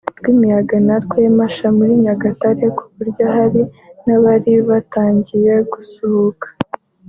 Rwimiyaga na Rwempasha muri Nyagatare ku buryo hari n’abari batangiye gusuhuka